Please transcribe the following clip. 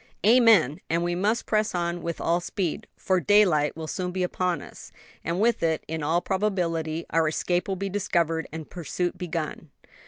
"Amen! and we must press on with all speed; for daylight will soon be upon us, and with it, in all probability, our escape will be discovered and pursuit begun."